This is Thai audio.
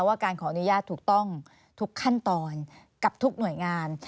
ว่าการขออนุญาตถูกต้องทุกขั้นตอนกับทุกหน่วยงาน